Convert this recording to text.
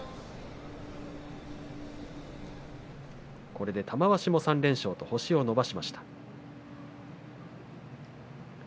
これで玉鷲、３連勝と星を伸ばしました。